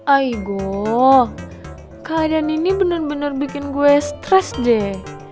aigo keadaan ini bener bener bikin gue stress deh